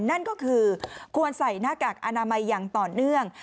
นั่นก็คือควรใส่หน้ากากอนามัยอย่างต่อเนื่อง